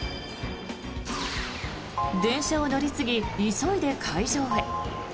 電車を乗り継ぎ、急いで会場へ。